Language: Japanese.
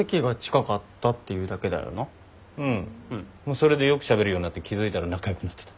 それでよくしゃべるようになって気付いたら仲良くなってた。